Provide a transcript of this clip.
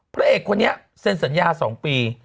พระเอกคนนี้เซ็นสัญญา๒ปี